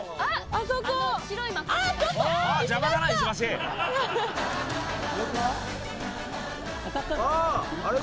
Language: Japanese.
あああれか。